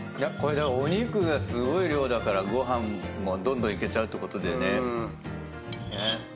お肉がすごい量だからご飯もどんどんいけちゃうってことだよね。